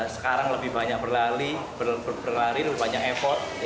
sekarang lebih banyak berlari berlari lebih banyak effort